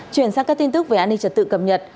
chuyển sang các tin tức về an ninh trật tự cập nhật